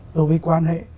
đối với quan hệ